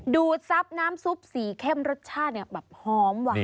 ซับน้ำซุปสีเข้มรสชาติเนี่ยแบบหอมว่ะ